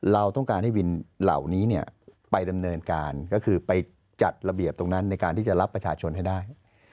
เราต้องการให้วินเหล่านี้ไปดำเนินการก็คือไปจัดระเบียบตรงนั้นในการที่จะรับประชาชนให้ได้